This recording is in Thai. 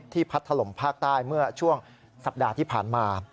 พัดถล่มภาคใต้เมื่อช่วงสัปดาห์ที่ผ่านมา